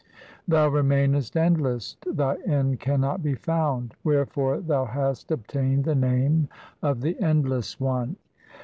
Thou remainest endless ; Thy end cannot be found ; Wherefore Thou hast obtained the name of the Endless One.